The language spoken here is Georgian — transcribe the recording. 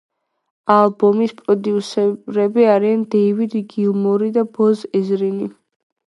ალბომის პროდიუსერები არიან დეივიდ გილმორი და ბობ ეზრინი.